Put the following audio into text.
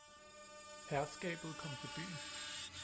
Herskabet kom til byen